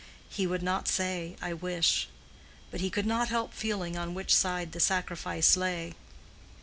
—he would not say "I wish"; but he could not help feeling on which side the sacrifice lay.